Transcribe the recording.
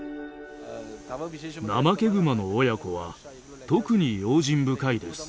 ナマケグマの親子は特に用心深いです。